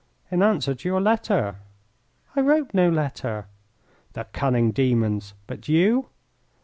"In answer to your letter." "I wrote no letter." "The cunning demons! But you?"